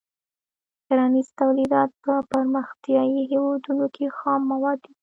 کرنیز تولیدات په پرمختیايي هېوادونو کې خام مواد دي.